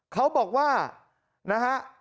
เขาบอกว่านะฮะ